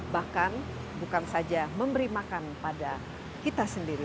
bahkan bukan saja memberi makan pada kita sendiri